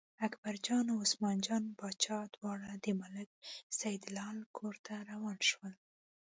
اکبرجان او عثمان جان باچا دواړه د ملک سیدلال کور ته روان شول.